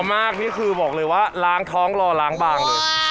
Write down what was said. มากนี่คือบอกเลยว่าล้างท้องรอล้างบางเลย